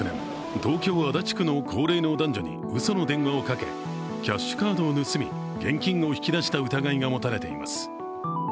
うその電話をかけキャッシュカードを盗み現金を引き出した疑いが持たれています。